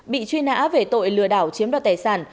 bị truy nã về tội lừa đảo chiếm đoạt tài sản